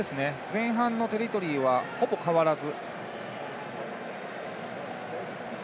前半のテリトリーはほぼ変わらず。